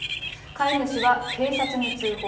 飼い主は警察に通報。